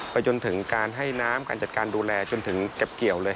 จนถึงการให้น้ำการจัดการดูแลจนถึงเก็บเกี่ยวเลย